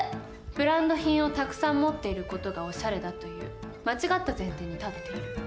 ブランド品をたくさん持っている事がオシャレだという間違った前提に立っている。